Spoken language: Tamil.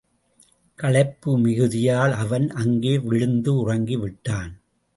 களைப்பு மிகுதியால் அவன்.அங்கே விழுந்து உறங்கிவிட்டான்.